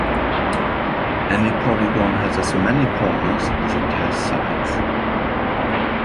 Any polygon has as many corners as it has sides.